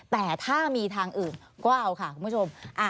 แต่ถ้ามีทางอื่นก็เอาค่ะคุณผู้ชม